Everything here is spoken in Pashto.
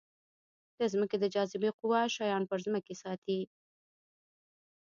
د ځمکې د جاذبې قوه شیان پر ځمکې ساتي.